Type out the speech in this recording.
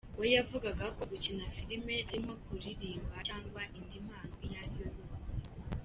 We yavugaga ko gukina film ari nko kuririmba cyangwa indi mpano iyo ariyo yose.